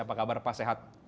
apa kabar pak sehat